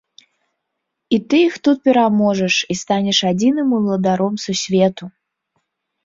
І ты іх тут пераможаш і станеш адзіным уладаром сусвету!